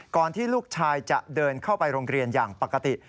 ที่ลูกชายจะเดินเข้าไปโรงเรียนอย่างปกติ